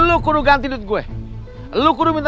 orang abis itu terluka